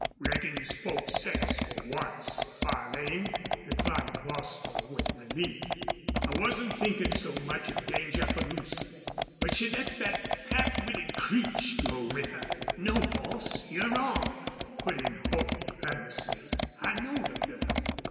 "Reckon you spoke sense for once, Farlane," replied Bostil, with relief. "I wasn't thinkin' so much of danger for Lucy.... But she lets thet half witted Creech go with her." "No, boss, you're wrong," put in Holley, earnestly. "I know the girl.